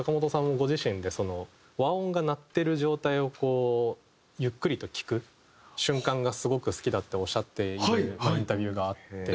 ご自身で和音が鳴ってる状態をこうゆっくりと聴く瞬間がすごく好きだっておっしゃっているインタビューがあって。